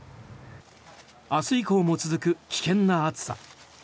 明日以降も続く危険な暑さ。